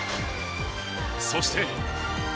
そして。